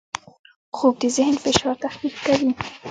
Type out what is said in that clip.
خوب د ذهن فشار تخفیف کوي